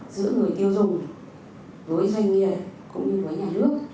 giữa người tiêu dùng với doanh nghiệp cũng như với nhà nước